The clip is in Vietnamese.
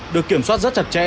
được kiểm soát rất chặt chẽ